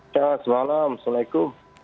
selamat malam assalamualaikum